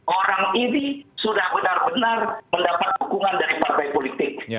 orang ini sudah benar benar mendapat dukungan dari partai politik